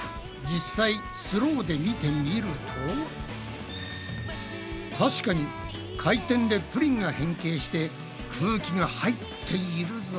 実際スローで見てみると確かに回転でプリンが変形して空気が入っているぞ。